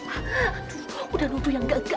aduh udah nuduh yang gak gak